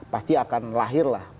pasti akan lahir lah